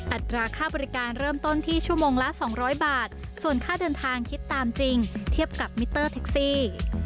อัตราค่าบริการเริ่มต้นที่ชั่วโมงละ๒๐๐บาทส่วนค่าเดินทางคิดตามจริงเทียบกับมิเตอร์แท็กซี่